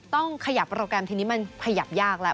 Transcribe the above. ต้องขยับโปรแกรมทีนี้มันขยับยากแล้ว